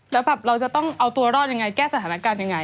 แล้วแบบเราจะต้องเอาตัวรอดยังไงแก้สถานการณ์ยังไง